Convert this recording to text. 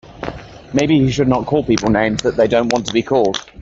Maybe he should not call people names that they don't want to be called.